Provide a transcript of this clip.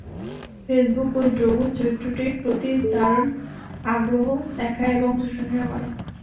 Facebook ওই Drogo চরিত্রটির প্রতি দারুণ আগ্রহ দেখায় এবং প্রশংসা করে।